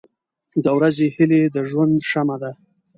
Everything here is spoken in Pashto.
• د ورځې هیلې د ژوند شمع ده.